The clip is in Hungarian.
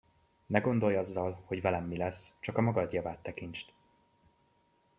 Ne gondolj azzal, hogy velem mi lesz, csak a magad javát tekintsd.